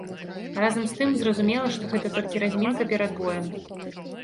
Разам з тым, зразумела, што гэта толькі размінка перад боем.